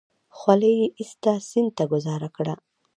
خولۍ يې ايسته سيند ته گوزار کړه.